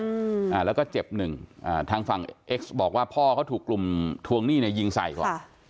อืมอ่าแล้วก็เจ็บหนึ่งอ่าทางฝั่งเอ็กซ์บอกว่าพ่อเขาถูกกลุ่มทวงหนี้เนี่ยยิงใส่ก่อนค่ะ